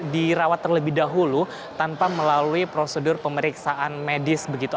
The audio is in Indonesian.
dirawat terlebih dahulu tanpa melalui prosedur pemeriksaan medis begitu